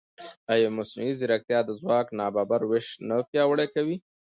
ایا مصنوعي ځیرکتیا د ځواک نابرابر وېش نه پیاوړی کوي؟